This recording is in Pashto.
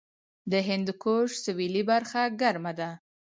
د هندوکش سویلي برخه ګرمه ده